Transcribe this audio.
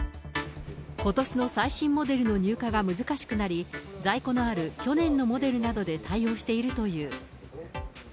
ことしの最新モデルの入荷が難しくなり、在庫のある去年のモデルなどで対応しているという。